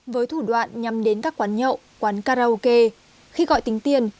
với thủ đoạn nhằm đến các quán nhậu quán karaoke khi gọi tính tiền